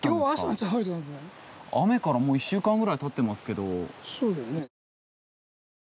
雨からもう１週間ぐらいたってますけど。